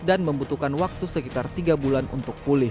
dan membutuhkan waktu sekitar tiga bulan untuk pulih